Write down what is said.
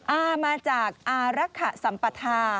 อามาจากอารักษาสัมปธา